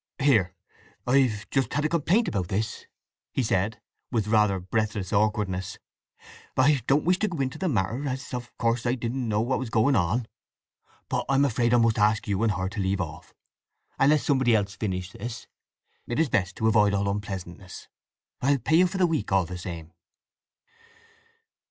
"Here—I've just had a complaint about this," he said, with rather breathless awkwardness. "I don't wish to go into the matter—as of course I didn't know what was going on—but I am afraid I must ask you and her to leave off, and let somebody else finish this! It is best, to avoid all unpleasantness. I'll pay you for the week, all the same."